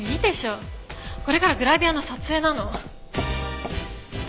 これからグラビアの撮影なの。